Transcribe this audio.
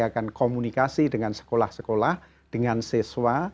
akan komunikasi dengan sekolah sekolah dengan siswa